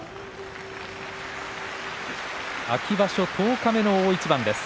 秋場所十日目の大一番です。